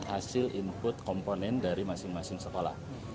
hasil input komponen dari masing masing sekolah